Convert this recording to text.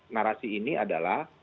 narasi ini adalah